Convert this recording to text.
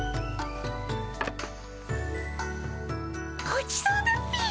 ごちそうだっピ。